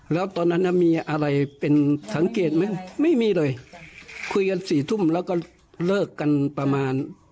แล้วตอนนั้นน่ะมีอะไรเป็นสังเกตไหมไม่มีเลยคุยกันสี่ทุ่มแล้วก็เลิกกันประมาณ